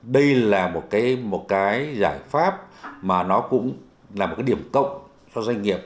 đây là một cái giải pháp mà nó cũng là một cái điểm cộng cho doanh nghiệp